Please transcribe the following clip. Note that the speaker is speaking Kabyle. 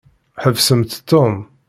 Ḥbsemt Tom.